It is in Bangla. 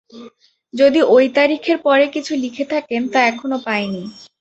যদি ঐ তারিখের পর কিছু লিখে থাকেন, তা এখনও পাইনি।